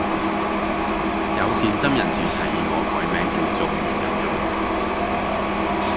有善心人士提議我改名叫中完又中